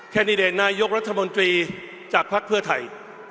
แดดิเดตนายกรัฐมนตรีจากภักดิ์เพื่อไทย